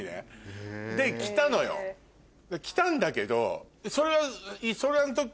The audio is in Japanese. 着たんだけど。